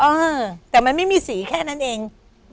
เออแต่มันไม่มีสีแค่นั้นเอง